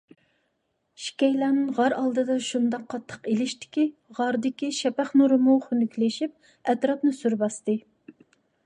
ئىككىيلەن غار ئالدىدا شۇنداق قاتتىق ئېلىشتىكى، غاردىكى شەپەق نۇرىمۇ خۇنۈكلىشىپ، ئەتراپنى سۈر باستى.